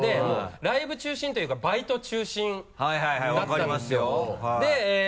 ライブ中心というかバイト中心だったんですよ。